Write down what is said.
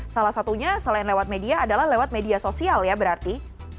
salah satunya selain lewat media adalah lewat media sosial ya berarti